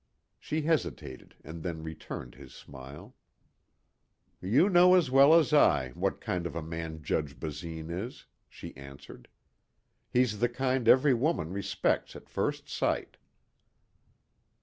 She hesitated and then returned his smile. "You know as well as I, what kind of a man Judge Basine is," she answered. "He's the kind every woman respects at first sight."